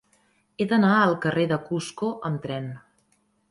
He d'anar al carrer de Cusco amb tren.